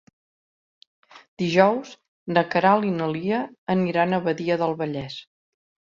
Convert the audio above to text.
Dijous na Queralt i na Lia aniran a Badia del Vallès.